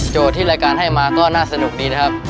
ที่รายการให้มาก็น่าสนุกดีนะครับ